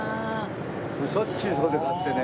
しょっちゅうそこで買ってね。